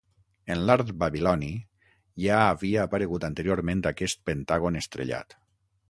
En l'art babiloni, ja havia aparegut anteriorment aquest pentàgon estrellat.